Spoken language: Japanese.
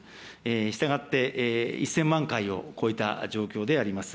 したがって、１０００万回を超えた状況であります。